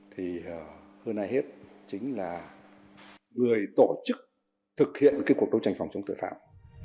thì hơn ai hết chính là người tổ chức thực hiện cuộc đấu tranh phòng chống tội phạm